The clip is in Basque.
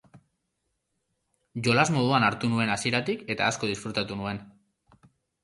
Jolas moduan hartu nuen hasieratik eta asko disfrutatu nuen.